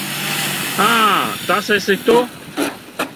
Ā, tas esi tu.